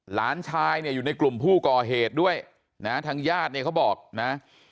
หลานชายเนี่ยอยู่ในกลุ่มผู้ก่อเหตุด้วยนะทางญาติเนี่ยเขาบอกนะ